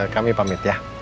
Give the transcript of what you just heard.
kami pamit ya